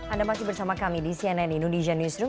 anda masih bersama kami di cnn indonesia newsroom